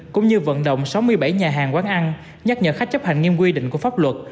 cũng như vận động sáu mươi bảy nhà hàng quán ăn nhắc nhở khách chấp hành nghiêm quy định của pháp luật